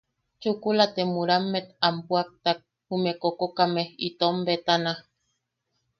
Chukula te murammet am puʼaktak jume kokokame itom betana.